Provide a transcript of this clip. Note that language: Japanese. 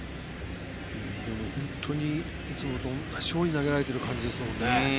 でも本当にいつもと同じように投げられてる感じですもんね。